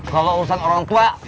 kalo urusan orang tua